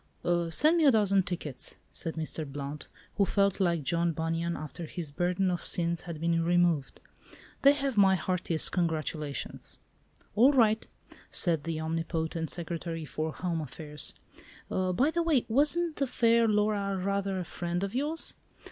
"Send me a dozen tickets," said Mr. Blount, who felt like John Bunyan after his burden of sins had been removed. "They have my heartiest congratulations." "All right," said the omnipotent Secretary for Home Affairs; "by the way, wasn't the fair Laura rather a friend of yours?